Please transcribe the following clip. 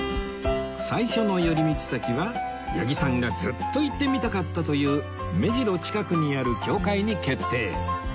最初の寄り道先は八木さんがずっと行ってみたかったという目白近くにある教会に決定